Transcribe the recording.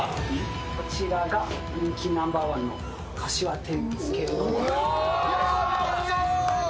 こちらが人気ナンバーワンのかしわ天つけうどんです。